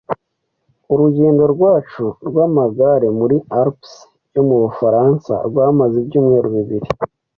Urugendo rwacu rwamagare muri Alpes yo mu Bufaransa rwamaze ibyumweru bibiri.